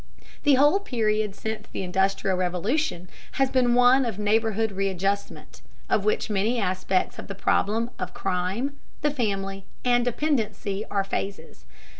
The whole period since the Industrial Revolution has been one of neighborhood readjustment, of which many aspects of the problems of crime, the family, and dependency are phases.